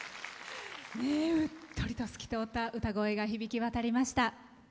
うっとりと透き通った歌声が響き渡りました。